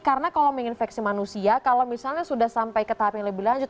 karena kalau menginfeksi manusia kalau misalnya sudah sampai ke tahap yang lebih lanjut